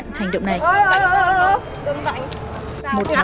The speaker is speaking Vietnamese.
trả con người ta